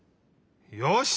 よし！